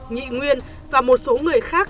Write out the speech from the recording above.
nhị nguyên và một số người khác